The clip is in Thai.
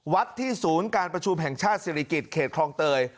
ที่ศูนย์การประชุมแห่งชาติศิริกิจเขตคลองเตย